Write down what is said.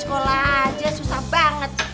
maksudnya emaknya udah berangkat